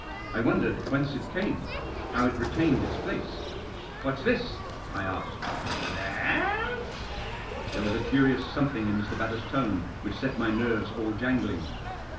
I wondered whence it came, how it retained its place. " What's this?" I Asked. w That ? H There was a curious something in Mr. Batters' tone which set my nerves all jangling.